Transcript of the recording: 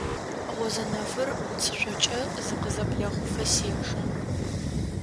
Гъозэнэфыр уцышъокӏэ зыкъызэблехъуфэ сежэ.